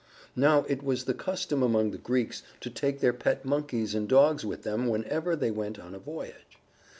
Now it was the custom among the Greeks to take their pet monkeys and dogs with them whenever they went on a voyage.